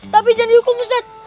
tapi jangan dihukum ustadz